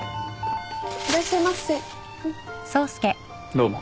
どうも。